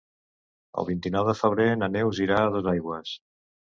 El vint-i-nou de febrer na Neus irà a Dosaigües.